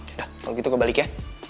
udah kalau gitu gue balik ya